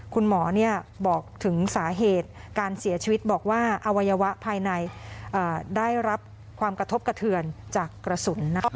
คุณหมอบอกถึงสาเหตุการเสียชีวิตบอกว่าอวัยวะภายในได้รับความกระทบกระเทือนจากกระสุน